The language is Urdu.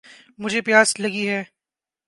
مجھے پیاس لگی ہے